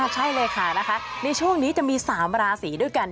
ใช่เลยค่ะในช่วงนี้จะมี๓ราศีด้วยกัน